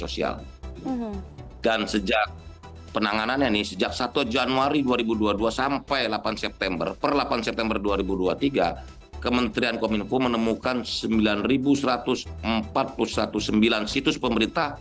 selamat sore pak menteri